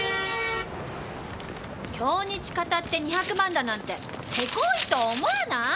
京日騙って２００万だなんてせこいと思わない？